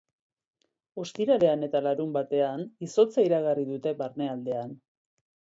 Ostiralean eta larunbatean izotza iragarri dute barnealdean.